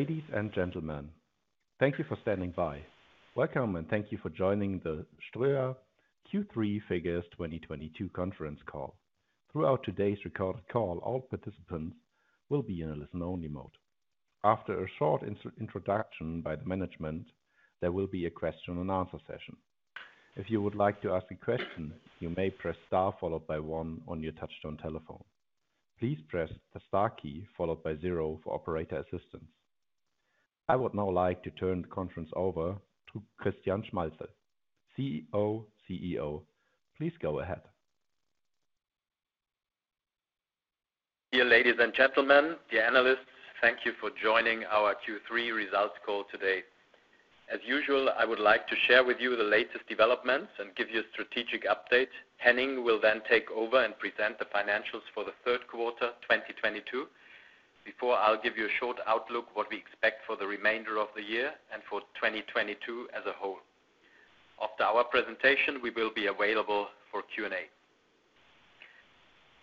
Ladies and gentlemen, thank you for standing by. Welcome and thank you for joining the Ströer Q3 Figures 2022 conference call. Throughout today's recorded call, all participants will be in a listen-only mode. After a short introduction by the management, there will be a question-and-answer session. If you would like to ask a question, you may press Star followed by one on your touchtone telephone. Please press the Star key followed by zero for operator assistance. I would now like to turn the conference over to Christian Schmalzl, Co-CEO. Please go ahead. Dear ladies and gentlemen, dear analysts, thank you for joining our Q3 results call today. As usual, I would like to share with you the latest developments and give you a strategic update. Henning will then take over and present the financials for the third quarter, 2022. Before, I'll give you a short outlook what we expect for the remainder of the year and for 2022 as a whole. After our presentation, we will be available for Q&A.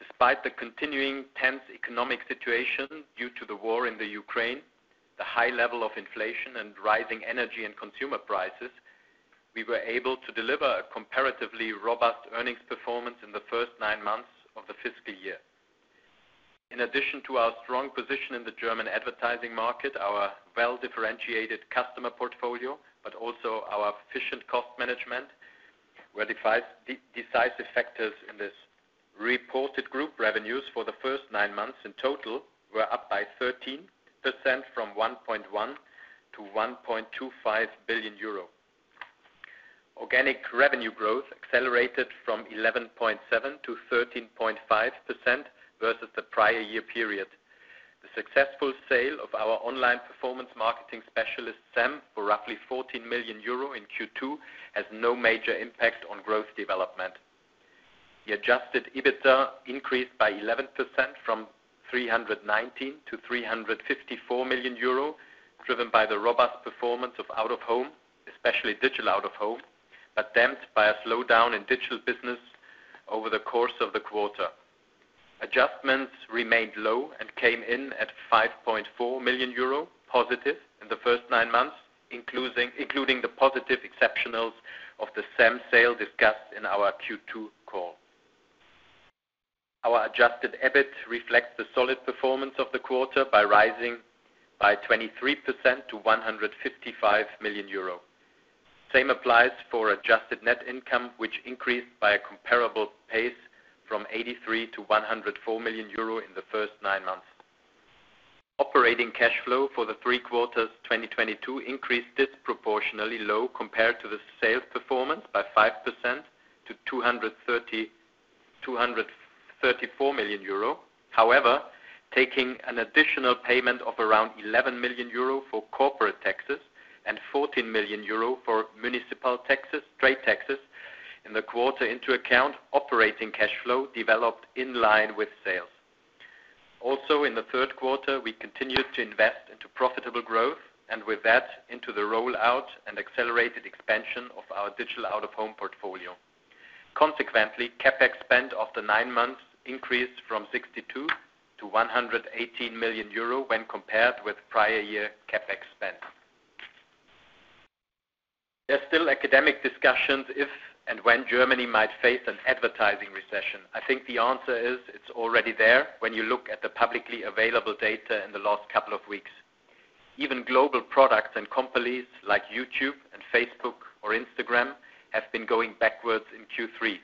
Despite the continuing tense economic situation due to the war in the Ukraine, the high level of inflation and rising energy and consumer prices, we were able to deliver a comparatively robust earnings performance in the first nine months of the fiscal year. In addition to our strong position in the German advertising market, our well-differentiated customer portfolio, but also our efficient cost management were decisive factors in this. Reported group revenues for the first nine months in total were up by 13% from 1.1 billion to 1.25 billion euro. Organic revenue growth accelerated from 11.7% to 13.5% versus the prior year period. The successful sale of our online performance marketing specialist, SEM, for roughly 14 million euro in Q2 has no major impact on growth development. The adjusted EBITDA increased by 11% from 319 million to 354 million euro, driven by the robust performance of out-of-home, especially digital out-of-home, but damped by a slowdown in digital business over the course of the quarter. Adjustments remained low and came in at 5.4 million euro positive in the first nine months, including the positive exceptionals of the SEM sale discussed in our Q2 call. Our adjusted EBIT reflects the solid performance of the quarter by rising by 23% to 155 million euro. Same applies for adjusted net income, which increased by a comparable pace from 83 million to 104 million euro in the first nine months. Operating cash flow for the three quarters 2022 increased disproportionally low compared to the sales performance by 5% to 234 million euro. However, taking an additional payment of around 11 million euro for corporate taxes and 14 million euro for municipal taxes, trade taxes in the quarter into account, operating cash flow developed in line with sales. Also, in the third quarter, we continued to invest into profitable growth, and with that, into the rollout and accelerated expansion of our digital out-of-home portfolio. Consequently, CapEx spend of the nine months increased from 62 million to 118 million euro when compared with prior year CapEx spend. There are still academic discussions if and when Germany might face an advertising recession. I think the answer is it's already there when you look at the publicly available data in the last couple of weeks. Even global products and companies like YouTube and Facebook or Instagram have been going backwards in Q3.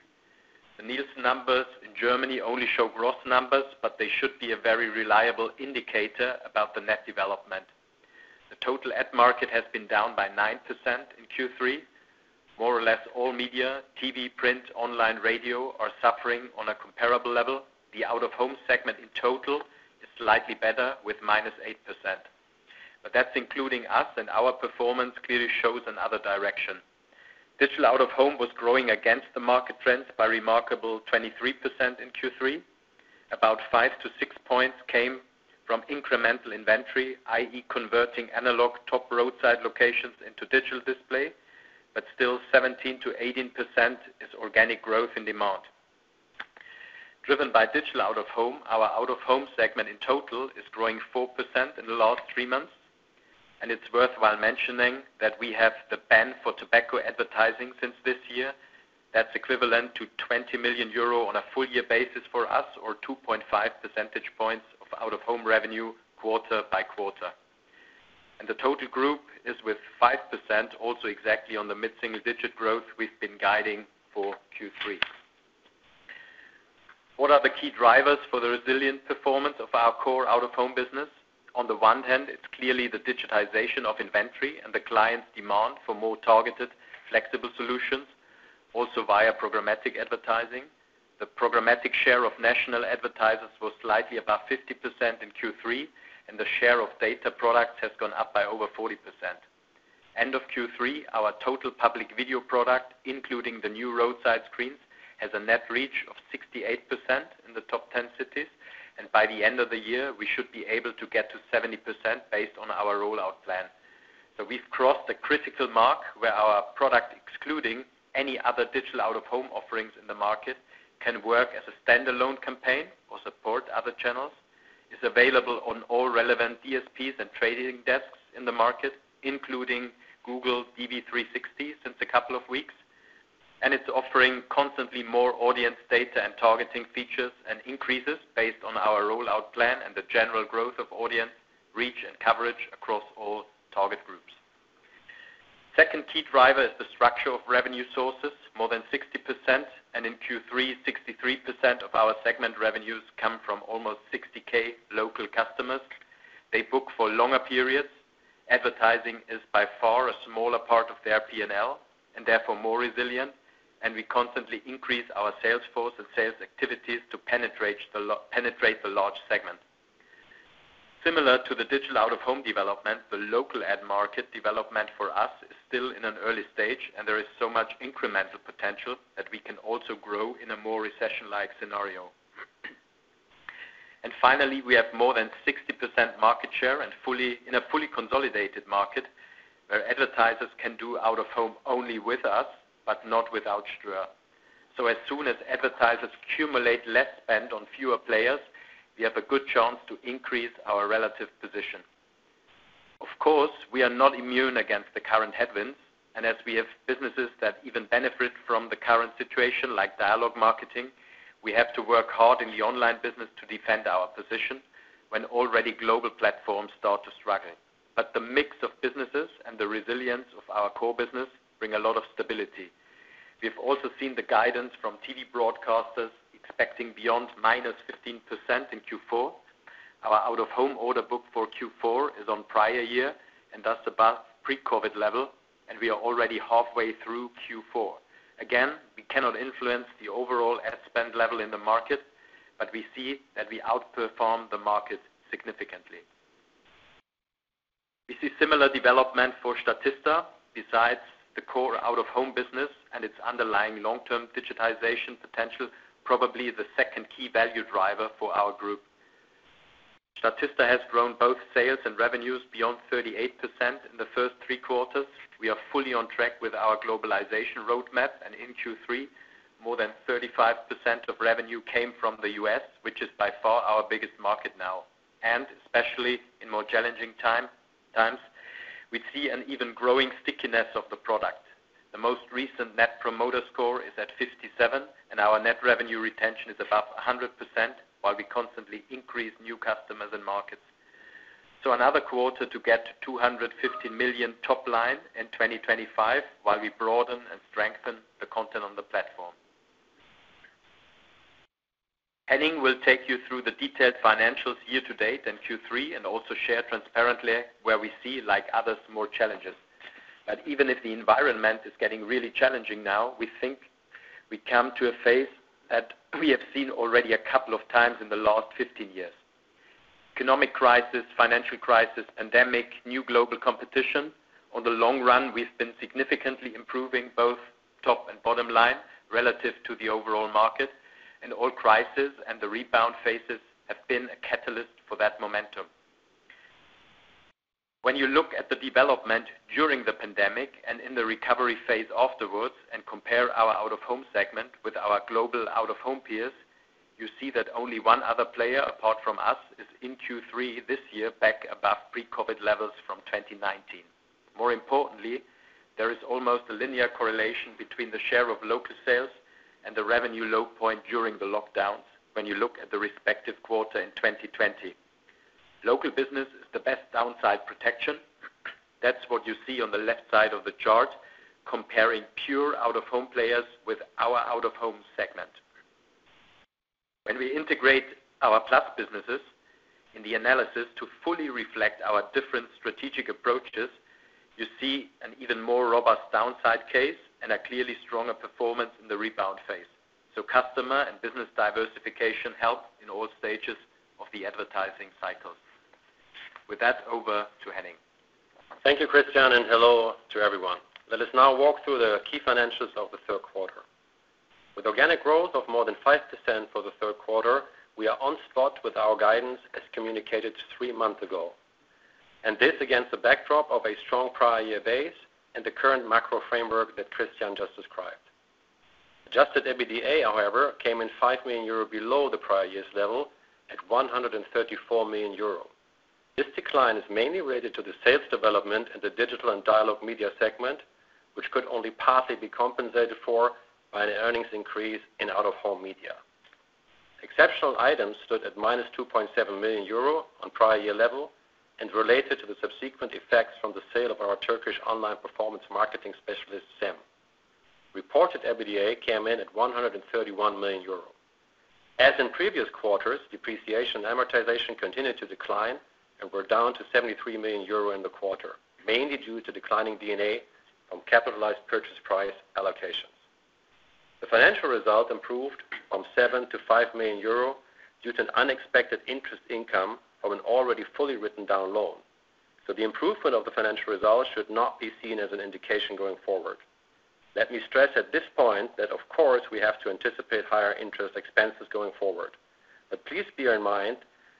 The Nielsen numbers in Germany only show gross numbers, but they should be a very reliable indicator about the net development. The total ad market has been down by 9% in Q3. More or less all media, TV, print, online, radio, are suffering on a comparable level. The out-of-home segment in total is slightly better with -8%. That's including us, and our performance clearly shows another direction. Digital Out-of-Home was growing against the market trends by remarkable 23% in Q3. About 5-6 points came from incremental inventory, i.e., converting analog top roadside locations into digital display, but still 17%-18% is organic growth in demand. Driven by Digital Out-of-Home, our out-of-home segment in total is growing 4% in the last three months. It's worthwhile mentioning that we have the ban for tobacco advertising since this year. That's equivalent to 20 million euro on a full year basis for us, or 2.5 percentage points of out-of-home revenue quarter by quarter. The total group is with 5% also exactly on the mid-single-digit growth we've been guiding for Q3. What are the key drivers for the resilient performance of our core out-of-home business? On the one hand, it's clearly the digitization of inventory and the client's demand for more targeted, flexible solutions, also via programmatic advertising. The programmatic share of national advertisers was slightly above 50% in Q3, and the share of data products has gone up by over 40%. End of Q3, our total Public Video product, including the new roadside screens, has a net reach of 68% in the top 10 cities, and by the end of the year, we should be able to get to 70% based on our rollout plan. We've crossed the critical mark where our product, excluding any other Digital Out-of-Home offerings in the market, can work as a stand-alone campaign or support other channels, is available on all relevant DSPs and trading desks in the market, including Google DV360 since a couple of weeks, and it's offering constantly more audience data and targeting features and increases based on our rollout plan and the general growth of audience reach and coverage across all target groups. Second key driver is the structure of revenue sources. More than 60% and in Q3, 63% of our segment revenues come from almost 60K local customers. They book for longer periods. Advertising is by far a smaller part of their P&L, and therefore, more resilient. We constantly increase our sales force and sales activities to penetrate the large segment. Similar to the Digital Out-of-Home development, the local ad market development for us is still in an early stage, and there is so much incremental potential that we can also grow in a more recession-like scenario. Finally, we have more than 60% market share in a fully consolidated market, where advertisers can do out-of-home only with us, but not without Ströer. As soon as advertisers accumulate less spend on fewer players, we have a good chance to increase our relative position. Of course, we are not immune against the current headwinds, and as we have businesses that even benefit from the current situation like dialogue marketing, we have to work hard in the online business to defend our position when already global platforms start to struggle. The mix of businesses and the resilience of our core business bring a lot of stability. We've also seen the guidance from TV broadcasters expecting beyond -15% in Q4. Our out-of-home order book for Q4 is on prior year and thus above pre-COVID level, and we are already halfway through Q4. Again, we cannot influence the overall ad spend level in the market, but we see that we outperform the market significantly. We see similar development for Statista besides the core out-of-home business and its underlying long-term digitization potential, probably the second key value driver for our group. Statista has grown both sales and revenues beyond 38% in the first three quarters. We are fully on track with our globalization roadmap, and in Q3, more than 35% of revenue came from the U.S., which is by far our biggest market now. Especially in more challenging times, we see an even growing stickiness of the product. The most recent Net Promoter Score is at 57, and our Net Revenue Retention is above 100%, while we constantly increase new customers and markets. Another quarter to get to 250 million top line in 2025 while we broaden and strengthen the content on the platform. Henning will take you through the detailed financials year to date in Q3 and also share transparently where we see like others more challenges. Even if the environment is getting really challenging now, we think we come to a phase that we have seen already a couple of times in the last 15 years. Economic crisis, financial crisis, pandemic, new global competition. On the long run, we've been significantly improving both top and bottom line relative to the overall market. All crisis and the rebound phases have been a catalyst for that momentum. When you look at the development during the pandemic and in the recovery phase afterwards and compare our out-of-home segment with our global out-of-home peers, you see that only one other player apart from us is in Q3 this year back above pre-COVID levels from 2019. More importantly, there is almost a linear correlation between the share of local sales and the revenue low point during the lockdowns when you look at the respective quarter in 2020. Local business is the best downside protection. That's what you see on the left side of the chart comparing pure out-of-home players with our out-of-home segment. When we integrate our plus businesses in the analysis to fully reflect our different strategic approaches, you see an even more robust downside case and a clearly stronger performance in the rebound phase. Customer and business diversification help in all stages of the advertising cycle. With that, over to Henning. Thank you, Christian, and hello to everyone. Let us now walk through the key financials of the third quarter. With organic growth of more than 5% for the third quarter, we are on track with our guidance as communicated three months ago. This against the backdrop of a strong prior-year base and the current macro framework that Christian just described. Adjusted EBITDA, however, came in 5 million euro below the prior-year's level at 134 million euro. This decline is mainly related to the sales development in the Digital & Dialog Media segment, which could only partly be compensated for by the earnings increase in out-of-home media. Exceptional items stood at -2.7 million euro on prior-year level and related to the subsequent effects from the sale of our Turkish online performance marketing specialist SEM. Reported EBITDA came in at 131 million euro. As in previous quarters, depreciation and amortization continued to decline and were down to 73 million euro in the quarter, mainly due to declining D&A from capitalized purchase price allocations. The financial result improved from 7 million-5 million euro due to an unexpected interest income from an already fully written down loan. The improvement of the financial results should not be seen as an indication going forward. Let me stress at this point that, of course, we have to anticipate higher interest expenses going forward. Please bear in mind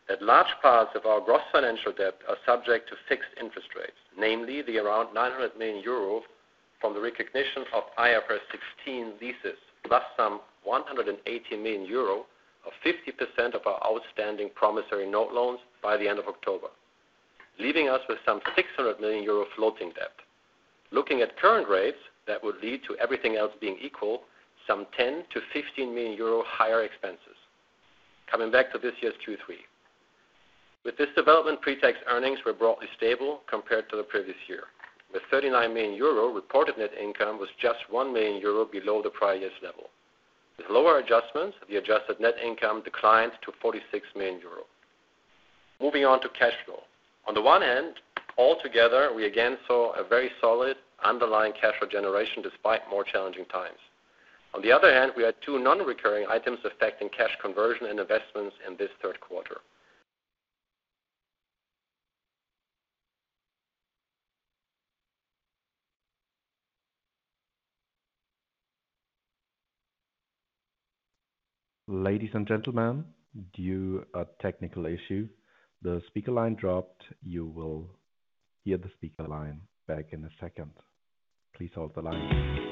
that large parts of our gross financial debt are subject to fixed interest rates, namely around 900 million euro from the recognition of IFRS 16 leases, plus some 180 million euro of 50% of our outstanding promissory note loans by the end of October, leaving us with some 600 million euro floating debt. Looking at current rates, that would lead to, everything else being equal, some 10 million-15 million euro higher expenses. Coming back to this year's Q3. With this development, pretax earnings were broadly stable compared to the previous year. The 39 million euro reported net income was just 1 million euro below the prior year's level. With lower adjustments, the adjusted net income declined to 46 million euro. Moving on to cash flow. On the one hand, all together, we again saw a very solid underlying cash flow generation despite more challenging times. On the other hand, we had two non-recurring items affecting cash conversion and investments in this third quarter. Ladies and gentlemen, due to a technical issue, the speaker line dropped. You will hear the speaker line back in a second. Please hold the line.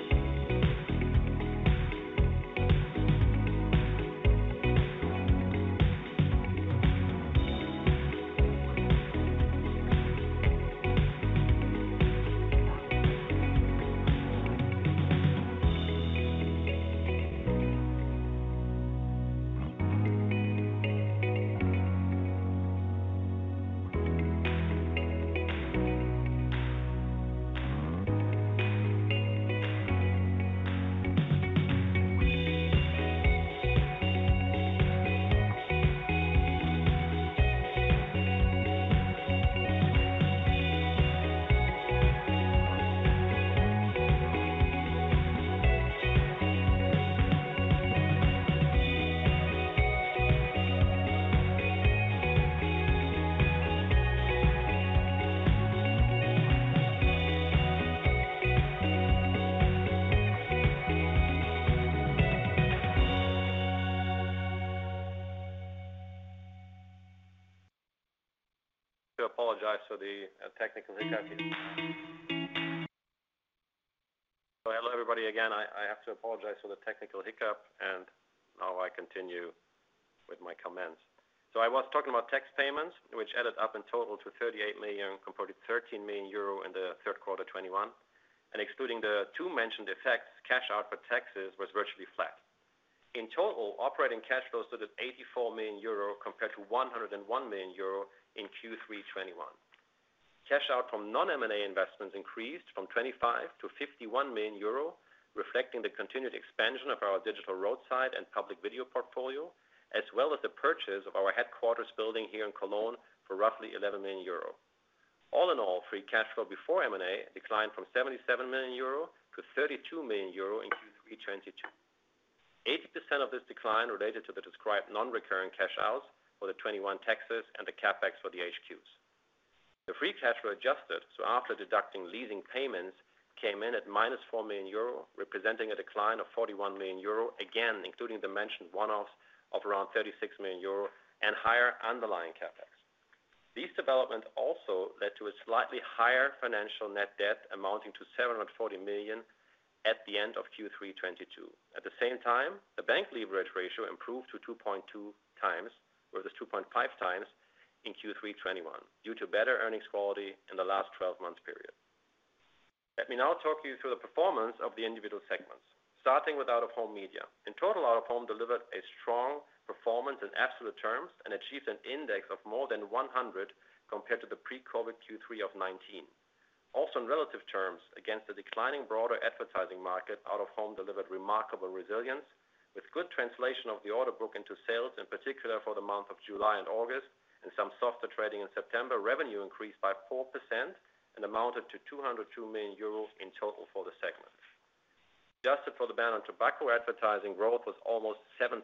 To apologize for the technical hiccup. Hello, everybody again. I have to apologize for the technical hiccup, and now I continue with my comments. I was talking about tax payments, which added up in total to 38 million compared to 13 million euro in the third quarter 2021. Excluding the two mentioned effects, cash out for taxes was virtually flat. In total, operating cash flows stood at 84 million euro compared to 101 million euro in Q3 2021. Cash out from non-M&A investments increased from 25 million to 51 million euro, reflecting the continued expansion of our digital roadside and Public Video portfolio, as well as the purchase of our headquarters building here in Cologne for roughly 11 million euro. All in all, free cash flow before M&A declined from 77 million euro to 32 million euro in Q3 2022. 80% of this decline related to the described non-recurring cash outs for the 2021 taxes and the CapEx for the HQs. The free cash flow adjusted, so after deducting leasing payments, came in at minus 4 million euro, representing a decline of 41 million euro, again, including the mentioned one-offs of around 36 million euro and higher underlying CapEx. These developments also led to a slightly higher financial net debt amounting to 740 million at the end of Q3 2022. At the same time, the bank leverage ratio improved to 2.2x, where it was 2.5x in Q3 2021 due to better earnings quality in the last 12 months period. Let me now talk you through the performance of the individual segments, starting with out-of-home media. In total, out-of-home delivered a strong performance in absolute terms and achieved an index of more than 100 compared to the pre-COVID Q3 of 2019. Also in relative terms, against the declining broader advertising market, out-of-home delivered remarkable resilience. With good translation of the order book into sales, in particular for the month of July and August, and some softer trading in September, revenue increased by 4% and amounted to 202 million euros in total for the segment. Adjusted for the ban on tobacco advertising, growth was almost 7%.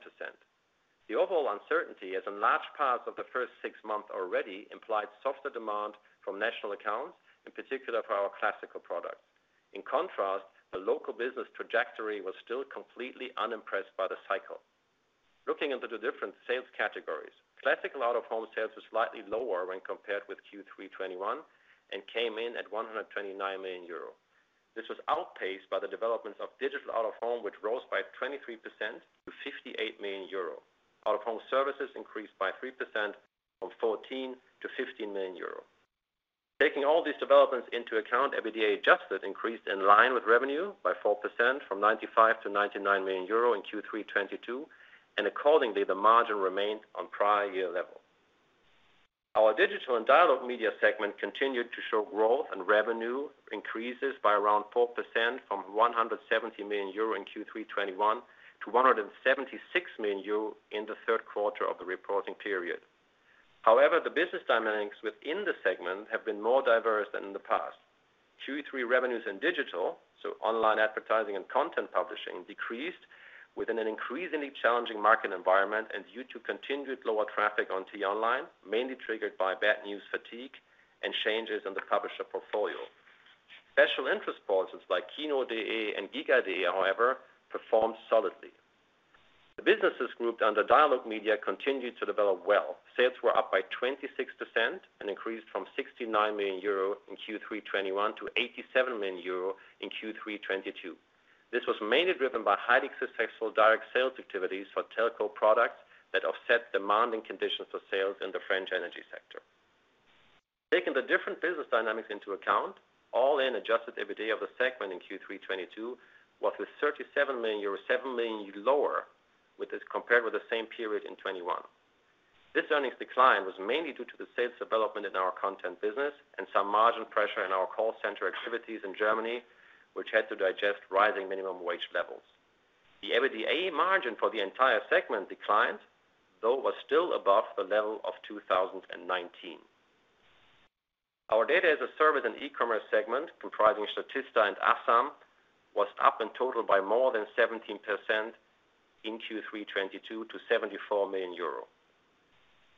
The overall uncertainty, as in large parts of the first six months already, implied softer demand from national accounts, in particular for our classical products. In contrast, the local business trajectory was still completely unimpressed by the cycle. Looking into the different sales categories, classical out-of-home sales were slightly lower when compared with Q3 2021 and came in at 129 million euro. This was outpaced by the developments of digital out-of-home, which rose by 23% to 58 million euro. Out-of-home services increased by 3% from 14 million to 15 million euro. Taking all these developments into account, adjusted EBITDA increased in line with revenue by 4% from 95 million to 99 million euro in Q3 2022, and accordingly, the margin remained on prior year level. Our Digital & Dialog Media segment continued to show growth, and revenue increases by around 4% from 170 million euro in Q3 2021 to 176 million euro in the third quarter of the reporting period. However, the business dynamics within the segment have been more diverse than in the past. Q3 revenues in digital, so online advertising and content publishing, decreased. Within an increasingly challenging market environment and due to continued lower traffic on t-online, mainly triggered by bad news fatigue and changes in the publisher portfolio. Special interest portals like kino.de and Giga.de, however, performed solidly. The businesses grouped under Dialog Media continued to develop well. Sales were up by 26% and increased from 69 million euro in Q3 2021 to 87 million euro in Q3 2022. This was mainly driven by highly successful direct sales activities for telco products that offset demanding conditions for sales in the German energy sector. Taking the different business dynamics into account, LTM-adjusted EBITDA of the segment in Q3 2022 was 37 million euros, 7 million lower than this compared with the same period in 2021. This earnings decline was mainly due to the sales development in our content business and some margin pressure in our call center activities in Germany, which had to digest rising minimum wage levels. The EBITDA margin for the entire segment declined, though was still above the level of 2019. Our Data as a Service and e-commerce segment, comprising Statista and Asambeauty, was up in total by more than 17% in Q3 2022 to 74 million euro.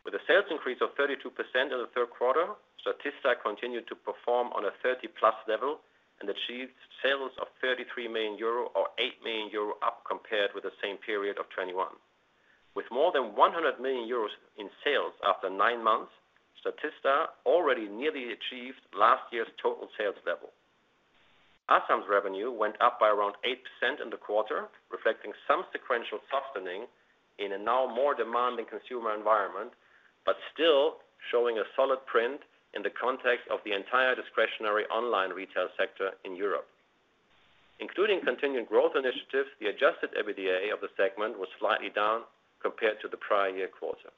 With a sales increase of 32% in the third quarter, Statista continued to perform on a 30+ level and achieved sales of 33 million euro or 8 million euro up compared with the same period of 2021. With more than 100 million euros in sales after 9 months, Statista already nearly achieved last year's total sales level. Asambeauty's revenue went up by around 8% in the quarter, reflecting some sequential softening in a now more demanding consumer environment, but still showing a solid print in the context of the entire discretionary online retail sector in Europe. Including continued growth initiatives, the adjusted EBITDA of the segment was slightly down compared to the prior year quarter.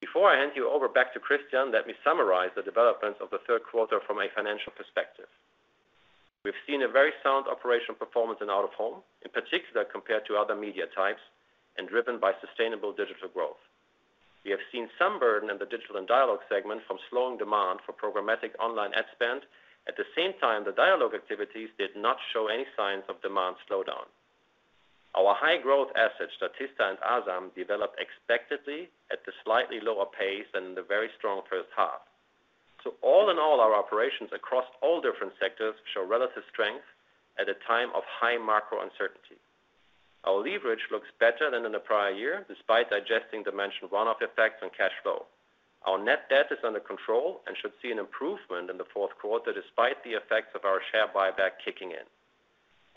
Before I hand you over back to Christian, let me summarize the developments of the third quarter from a financial perspective. We've seen a very sound operational performance in out-of-home, in particular compared to other media types and driven by sustainable digital growth. We have seen some burden in the Digital & Dialog Media segment from slowing demand for programmatic online ad spend. At the same time, the dialogue activities did not show any signs of demand slowdown. Our high growth assets, Statista and Asambeauty, developed expectedly at a slightly lower pace than in the very strong first half. All in all, our operations across all different sectors show relative strength at a time of high macro uncertainty. Our leverage looks better than in the prior year, despite digesting the mentioned one-off effects on cash flow. Our net debt is under control and should see an improvement in the fourth quarter, despite the effects of our share buyback kicking in.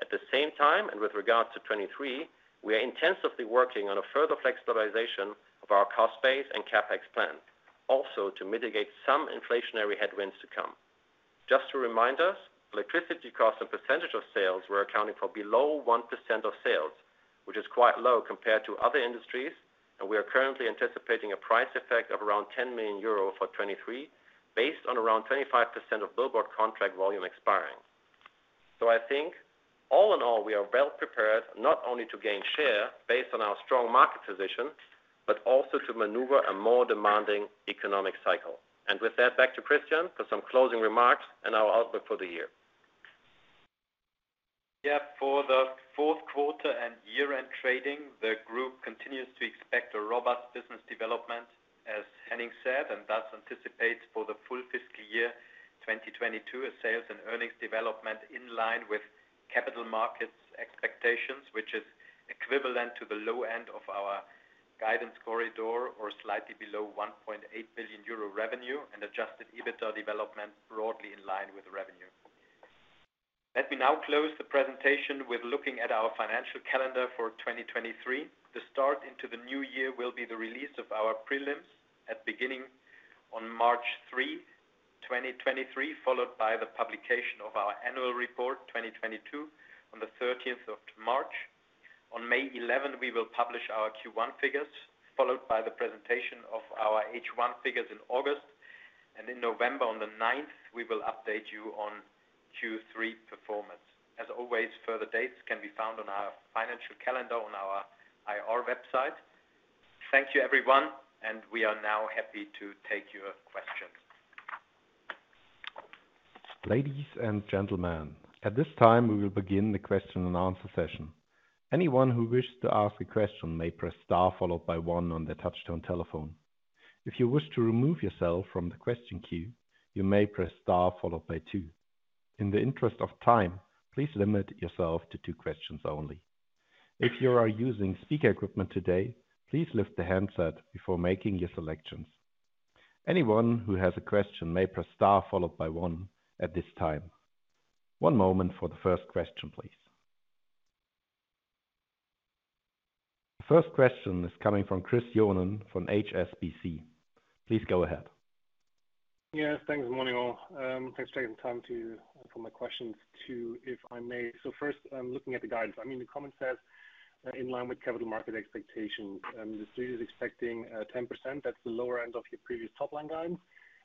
At the same time, and with regards to 2023, we are intensively working on a further flexibilization of our cost base and CapEx plan, also to mitigate some inflationary headwinds to come. Just to remind us, electricity costs as a percentage of sales were accounting for below 1% of sales, which is quite low compared to other industries, and we are currently anticipating a price effect of around 10 million euro for 2023, based on around 25% of billboard contract volume expiring. I think all in all, we are well prepared not only to gain share based on our strong market position, but also to maneuver a more demanding economic cycle. With that, back to Christian for some closing remarks and our outlook for the year. Yeah. For the fourth quarter and year-end trading, the group continues to expect a robust business development, as Henning said, and thus anticipates for the full fiscal year 2022 a sales and earnings development in line with capital markets expectations, which is equivalent to the low end of our guidance corridor or slightly below 1.8 billion euro revenue and adjusted EBITDA development broadly in line with revenue. Let me now close the presentation with looking at our financial calendar for 2023. The start into the new year will be the release of our prelims at the beginning of March 3, 2023, followed by the publication of our annual report 2022 on the 13th of March. On May 11, we will publish our Q1 figures, followed by the presentation of our H1 figures in August. In November on the 9th, we will update you on Q3 performance. As always, further dates can be found on our financial calendar on our IR website. Thank you, everyone, and we are now happy to take your questions. Ladies and gentlemen, at this time, we will begin the question-and-answer session. Anyone who wishes to ask a question may press star followed by one on their touchtone telephone. If you wish to remove yourself from the question queue, you may press star followed by two. In the interest of time, please limit yourself to two questions only. If you are using speaker equipment today, please lift the handset before making your selections. Anyone who has a question may press star followed by one at this time. One moment for the first question, please. The first question is coming from Christopher Johnen from HSBC. Please go ahead. Yes, thanks. Morning, all. Thanks for taking the time for my questions, too, if I may. First, looking at the guidance. I mean, the comment says in line with capital market expectations. The street is expecting 10%. That's the lower end of your previous top-line guidance.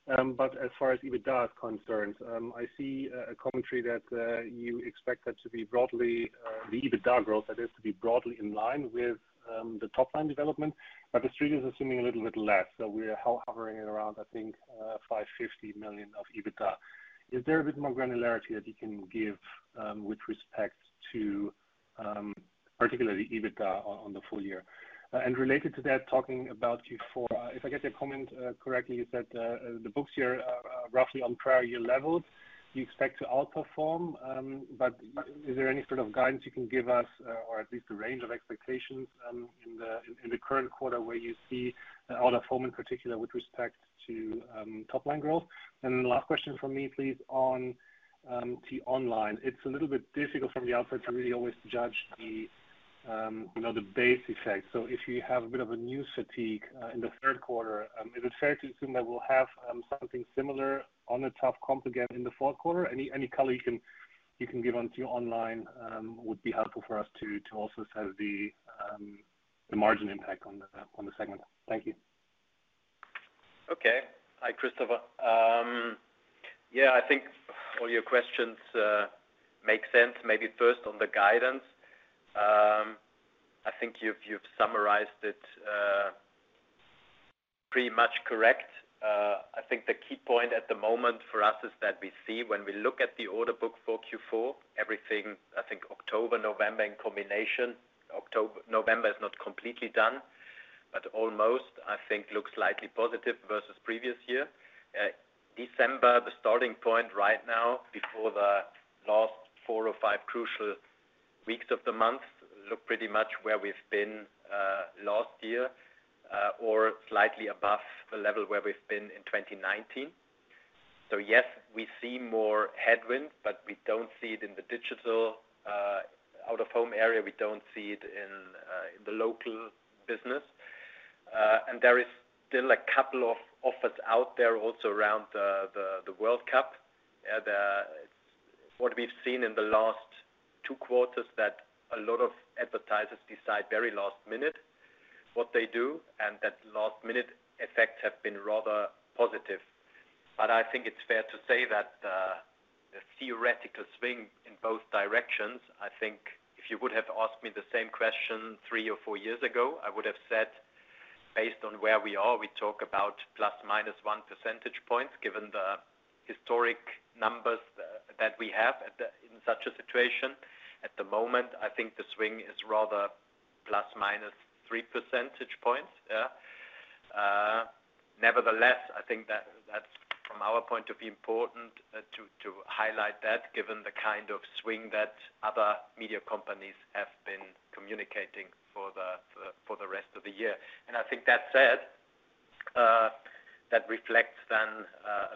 As far as EBITDA is concerned, I see a commentary that you expect that to be broadly the EBITDA growth, that is, to be broadly in line with the top-line development. The street is assuming a little bit less. We're hovering around, I think, 550 million of EBITDA. Is there a bit more granularity that you can give with respect to Particularly EBITDA on the full year. Related to that, talking about Q4, if I get your comment correctly, you said the books here are roughly on prior year levels, you expect to outperform, but is there any sort of guidance you can give us, or at least a range of expectations, in the current quarter where you see the out-of-home in particular with respect to top line growth? Last question from me, please, on t-online. It's a little bit difficult from the outside to really always judge the, you know, the base effect. If you have a bit of a news fatigue in the third quarter, is it fair to assume that we'll have something similar on the top comp again in the fourth quarter? Any color you can give on t-online would be helpful for us to also assess the margin impact on the segment. Thank you. Okay. Hi, Christopher. Yeah, I think all your questions make sense. Maybe first on the guidance. I think you've summarized it pretty much correct. I think the key point at the moment for us is that we see when we look at the order book for Q4, everything, I think October, November in combination. October-November is not completely done, but almost, I think, looks slightly positive versus previous year. December, the starting point right now before the last four or five crucial weeks of the month look pretty much where we've been last year or slightly above the level where we've been in 2019. Yes, we see more headwinds, but we don't see it in the digital out-of-home area. We don't see it in the local business. There is still a couple of offers out there also around the World Cup. What we've seen in the last two quarters that a lot of advertisers decide very last minute what they do, and that last minute effects have been rather positive. I think it's fair to say that the theoretical swing in both directions. I think if you would have asked me the same question three or four years ago, I would have said, based on where we are, we talk about plus minus one percentage point, given the historic numbers that we have in such a situation. At the moment, I think the swing is rather plus minus three percentage points. Nevertheless, I think that's from our point of view important to highlight that given the kind of swing that other media companies have been communicating for the rest of the year. I think that said that reflects then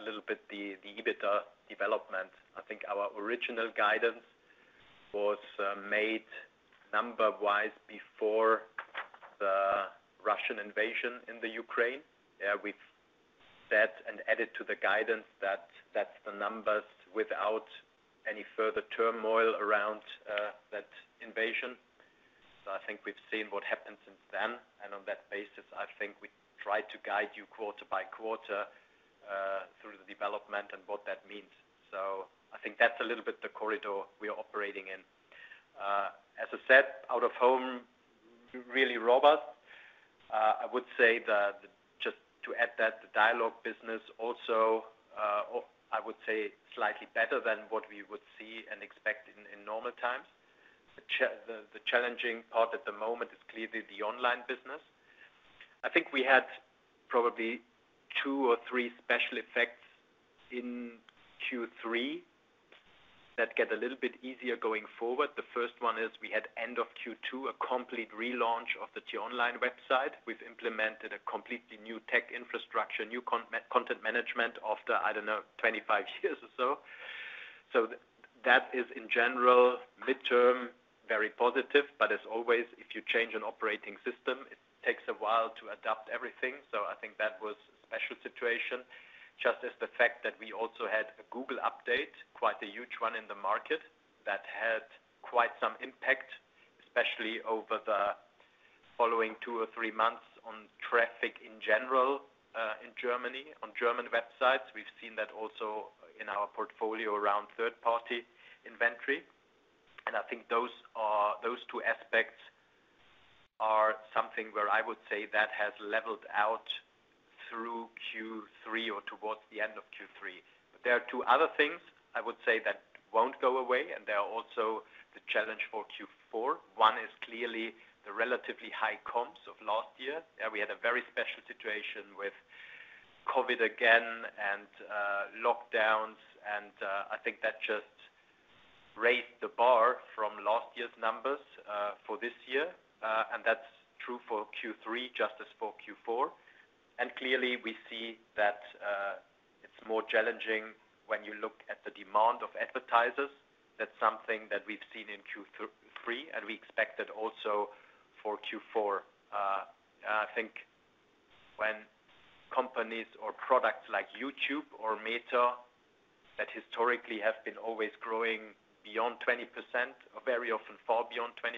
a little bit the EBITDA development. I think our original guidance was made number-wise before the Russian invasion in the Ukraine. We've said and added to the guidance that that's the numbers without any further turmoil around that invasion. I think we've seen what happened since then. On that basis, I think we tried to guide you quarter by quarter through the development and what that means. I think that's a little bit the corridor we are operating in. As I said, out-of-home really robust. I would say that just to add that the dialog business also, I would say slightly better than what we would see and expect in normal times. The challenging part at the moment is clearly the online business. I think we had probably two or three special effects in Q3 that get a little bit easier going forward. The first one is we had end of Q2, a complete relaunch of the t-online website. We've implemented a completely new tech infrastructure, new content management after, I don't know, 25 years or so. That is in general, midterm, very positive. But as always, if you change an operating system, it takes a while to adapt everything. I think that was a special situation. Just as the fact that we also had a Google update, quite a huge one in the market that had quite some impact, especially over the following two or three months on traffic in general, in Germany, on German websites. We've seen that also in our portfolio around third party inventory. I think those two aspects are something where I would say that has leveled out through Q3 or towards the end of Q3. There are two other things I would say that won't go away, and they are also the challenge for Q4. One is clearly the relatively high comps of last year. We had a very special situation with COVID again and lockdowns, and I think that just raised the bar from last year's numbers for this year. That's true for Q3, just as for Q4. Clearly, we see that it's more challenging when you look at the demand of advertisers. That's something that we've seen in Q3, and we expect it also for Q4. I think when companies or products like YouTube or Meta that historically have been always growing beyond 20% or very often far beyond 20%,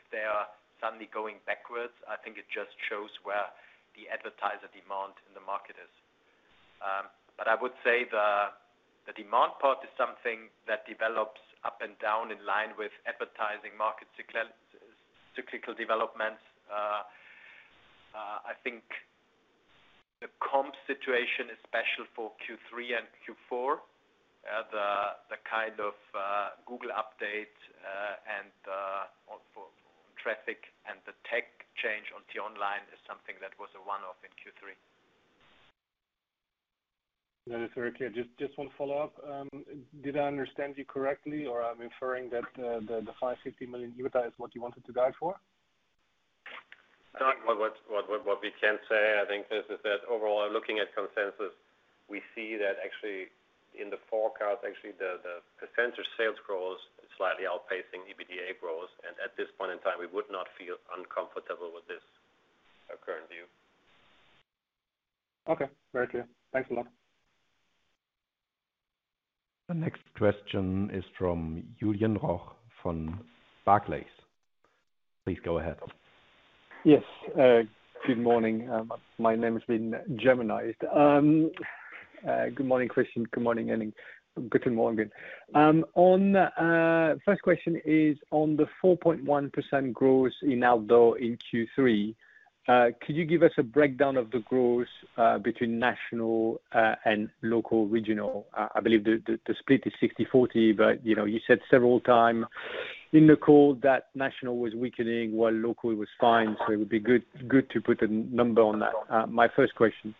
if they are suddenly going backwards, I think it just shows where the advertiser demand in the market is. But I would say the demand part is something that develops up and down in line with advertising market cyclical developments. I think the comp situation is special for Q3 and Q4. The kind of Google update and also traffic and the tech change on t-online is something that was a one-off in Q3. That is very clear. Just one follow-up. Did I understand you correctly, or I'm inferring that the 550 million EBITDA is what you wanted to guide for? What we can say, I think, is that overall looking at consensus, we see that actually in the forecast, actually, the potential sales growth is slightly outpacing EBITDA growth. At this point in time, we would not feel uncomfortable with this, our current view. Okay. Very clear. Thanks a lot. The next question is from Julien Roch from Barclays. Please go ahead. Yes. Good morning. My name has been Germanized. Good morning, Christian. Good morning, Henning. Guten Morgen. First question is on the 4.1% growth in outdoor in Q3. Could you give us a breakdown of the growth between national and local regional? I believe the split is 60/40, but you know, you said several times in the call that national was weakening while local was fine, so it would be good to put a number on that. My first question.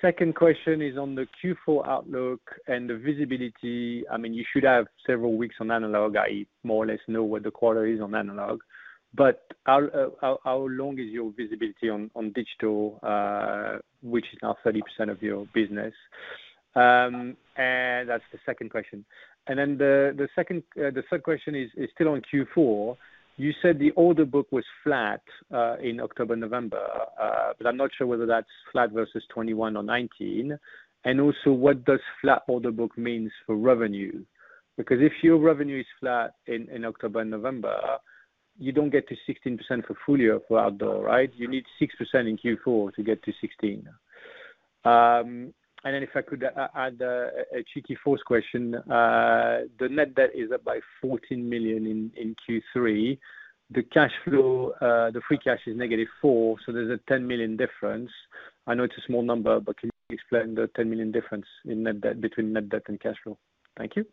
Second question is on the Q4 outlook and the visibility. I mean, you should have several weeks on analog. I more or less know what the quarter is on analog. But how long is your visibility on digital, which is now 30% of your business? That's the second question. The 3rd question is still on Q4. You said the order book was flat in October, November, but I'm not sure whether that's flat versus 2021 or 2019. Also, what does flat order book means for revenue? Because if your revenue is flat in October and November, you don't get to 16% for full year for outdoor, right? You need 6% in Q4 to get to 16. If I could add a cheeky fourth question. The net debt is up by 14 million in Q3. The cash flow, the free cash is -4, so there's a 10 million difference. I know it's a small number, but can you explain the 10 million difference in net debt, between net debt and cash flow? Thank you.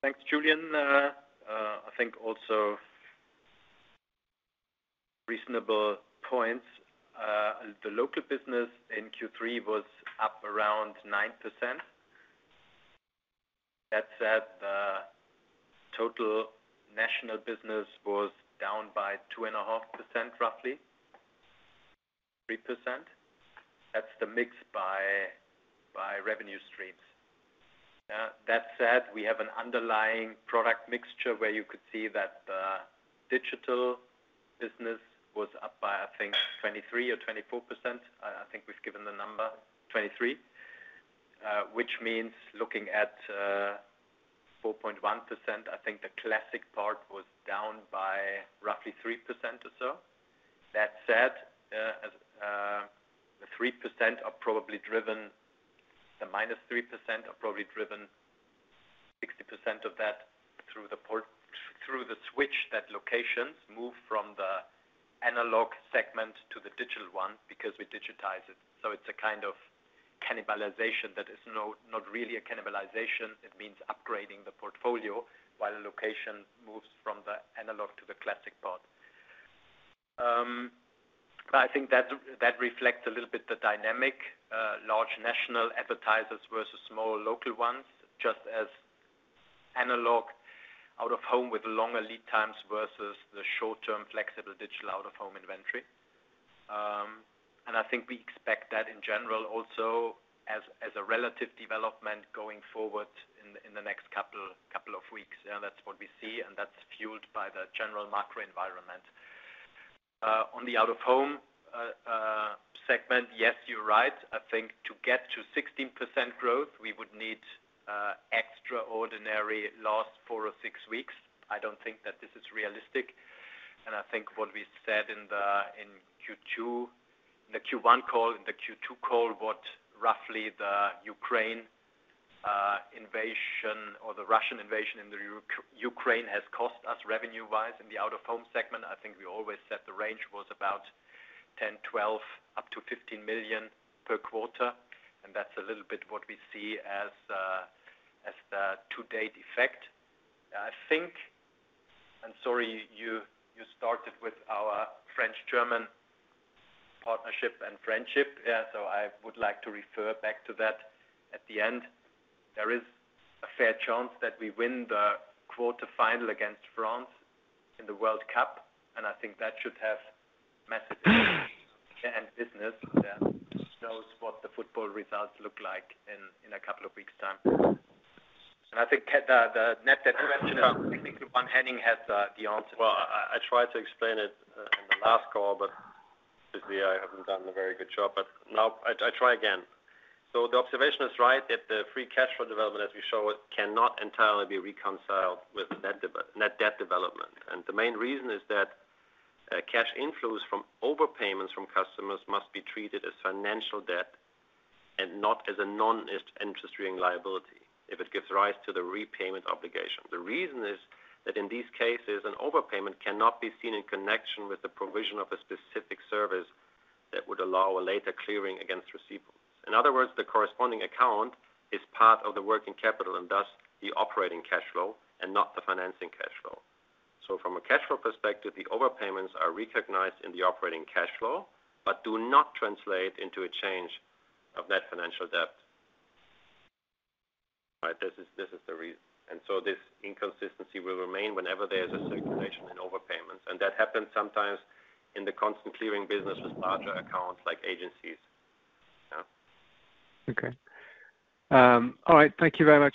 Thanks, Julien. I think also reasonable points. The local business in Q3 was up around 9%. That said, total national business was down by 2.5%, roughly. 3%. That's the mix by revenue streams. That said, we have an underlying product mix where you could see that the digital business was up by, I think, 23 or 24%. I think we've given the number. 23. Which means looking at 4.1%, I think the classic part was down by roughly 3% or so. That said, the minus 3% are probably driven 60% of that through the switch that locations move from the analog segment to the digital one because we digitize it. It's a kind of cannibalization that is not really a cannibalization. It means upgrading the portfolio while the location moves from the analog to the classic part. I think that reflects a little bit the dynamic large national advertisers versus small local ones. Just as analog out-of-home with longer lead times versus the short-term flexible digital out-of-home inventory. I think we expect that in general also as a relative development going forward in the next couple of weeks. Yeah, that's what we see, and that's fueled by the general macro environment. On the out-of-home segment, yes, you're right. I think to get to 16% growth, we would need extraordinary last four or six weeks. I don't think that this is realistic. I think what we said in Q2, in the Q1 call, in the Q2 call, what roughly the Ukraine invasion or the Russian invasion in the Ukraine has cost us revenue-wise in the out-of-home segment. I think we always said the range was about 10 million, 12 million, up to 15 million per quarter. That's a little bit what we see as the to-date effect. I think I'm sorry, you started with our French-German partnership and friendship. Yeah, I would like to refer back to that at the end. There is a fair chance that we win the quarterfinal against France in the World Cup, and I think that should have message and business that shows what the football results look like in a couple of weeks time. I think, the net debt question, I think Henning has the answer. Well, I tried to explain it on the last call, but obviously I haven't done a very good job. Now I try again. The observation is right that the free cash flow development as we show it cannot entirely be reconciled with net debt development. The main reason is that cash inflows from overpayments from customers must be treated as financial debt and not as a non-interesting liability if it gives rise to the repayment obligation. The reason is that in these cases, an overpayment cannot be seen in connection with the provision of a specific service that would allow a later clearing against receivables. In other words, the corresponding account is part of the working capital and thus the operating cash flow and not the financing cash flow. From a cash flow perspective, the overpayments are recognized in the operating cash flow, but do not translate into a change of net financial debt. Right. This is the reason. This inconsistency will remain whenever there's a circulation in overpayments. That happens sometimes in the constant clearing business with larger accounts like agencies. Yeah. Okay. All right. Thank you very much.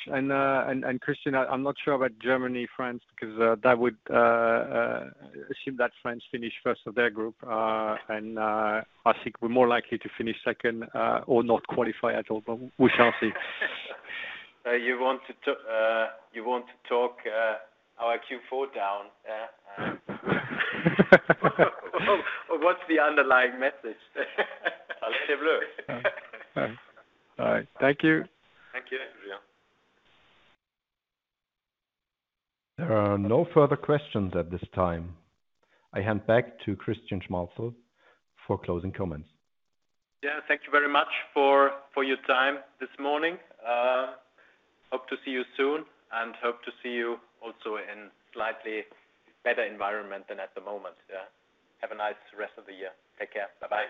Christian, I'm not sure about Germany, France, because that would assume that France finish first of their group. I think we're more likely to finish second, or not qualify at all, but we shall see. You want to talk our Q4 down. Yeah. What's the underlying message? All right. Thank you. Thank you. There are no further questions at this time. I hand back to Christian Schmalzl for closing comments. Yeah. Thank you very much for your time this morning. Hope to see you soon and hope to see you also in slightly better environment than at the moment. Yeah. Have a nice rest of the year. Take care. Bye-bye.